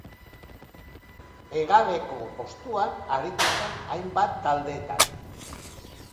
Hegaleko postuan aritu zen hainbat taldetan.